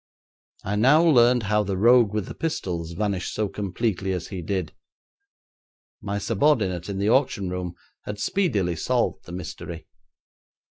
I now learned how the rogue with the pistols vanished so completely as he did. My subordinate in the auction room had speedily solved the mystery.